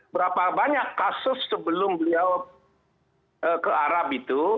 berapa banyak kasus sebelum beliau ke arab itu